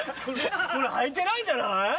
これはいてないんじゃない？